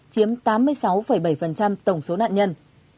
chiếm tám mươi sáu bảy tổng số nạn nhân